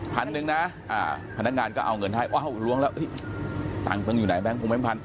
พันหนึ่งนะอ่าพนักงานก็เอาเงินท้ายว้าวล้วงแล้วตังค์ต้องอยู่ไหนแม่งผมไม่มีพัน